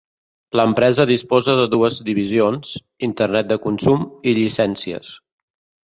L'empresa disposa de dues divisions: Internet de consum i llicències.